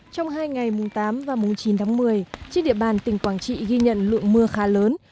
trong hai ngày mùng tám và mùng chín tháng một mươi trên địa bàn tỉnh quảng trị ghi nhận lượng mưa khá lớn